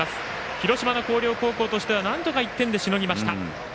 広島の広陵高校としてはなんとか１点で追いつきました。